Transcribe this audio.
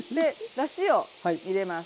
だしを入れます。